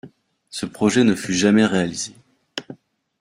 Ce projet ne fut jamais réalisé.